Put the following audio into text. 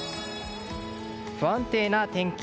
不安定な天気。